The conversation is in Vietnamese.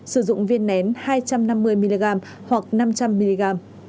sử dụng viên nén hai trăm năm mươi mg hoặc năm trăm linh mg